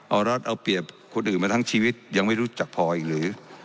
เอารัฐเอาเปรียบคนอื่นมาทั้งชีวิตยังไม่รู้จักพออีกหรือ